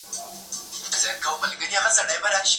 شاه شجاع باید د غنیمت په ویش کي رښتینی وي.